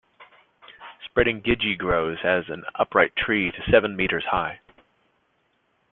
Spreading gidgee grows as an upright tree to seven metres high.